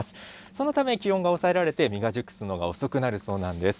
そのため、気温が抑えられて実が熟すのが遅くなるそうなんです。